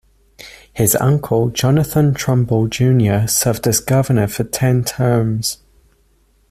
His uncle, Jonathan Trumbull Junior served as governor for ten terms.